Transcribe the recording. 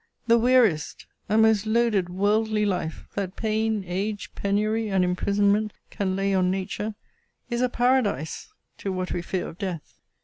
The weariest and most loaded worldly life, That pain, age, penury, and imprisonment, Can lay on nature, is a paradise To what we fear of death.